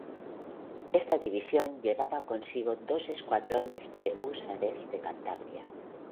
Esta división llevaba consigo dos escuadrones de Húsares de Cantabria.